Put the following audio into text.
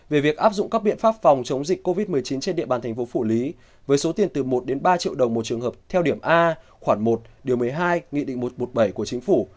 về việc áp dụng các biện pháp phòng chống dịch covid một mươi chín trên địa bàn thành phố phủ lý với số tiền từ một đến ba triệu đồng một trường hợp theo điểm a khoảng một điều một mươi hai nghị định một trăm một mươi bảy của chính phủ